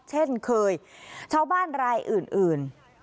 เช่นเคยชาวบ้านรายอื่น